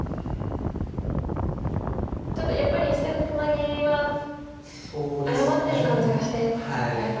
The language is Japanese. ちょっとやっぱり１線ツナギは謝ってる感じがして嫌と。